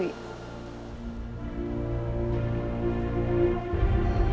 ibu mother in lawnya siapa